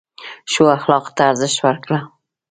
ښو اخلاقو ته ارزښت ورکړه.